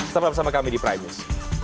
tetap bersama kami di prime news